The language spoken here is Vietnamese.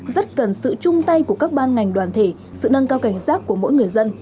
rất cần sự chung tay của các ban ngành đoàn thể sự nâng cao cảnh giác của mỗi người dân